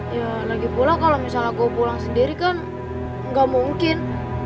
ya lagi pulang kalo misalnya gua pulang sendiri kan gak mungkin